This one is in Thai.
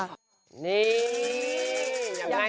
นี่